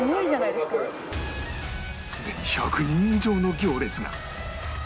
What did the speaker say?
すでに１００人以上の行列が！